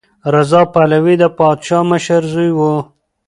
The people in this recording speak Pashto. رضا پهلوي د پادشاه مشر زوی و.